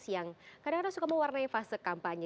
yang kadang kadang suka mewarnai fase kampanye